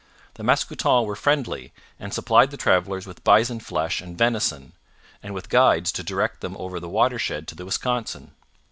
The Mascoutens were friendly, and supplied the travellers with bison flesh and venison, and with guides to direct them over the watershed to the Wisconsin.